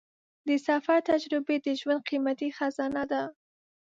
د سفر تجربې د ژوند قیمتي خزانه ده.